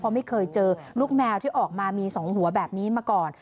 เพราะไม่เคยเจอลูกแมวที่ออกมามี๒หัวแบบนี้มาก่อน